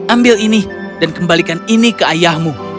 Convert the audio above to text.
ambil ini dan kembalikan ini ke ayahmu